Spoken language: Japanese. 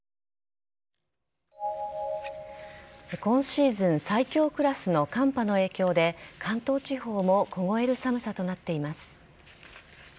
今シーズン最強クラスの寒波の影響で、関東地方も凍える寒さとなっています。